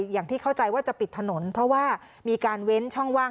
อย่างที่เข้าใจว่าจะปิดถนนเพราะว่ามีการเว้นช่องว่าง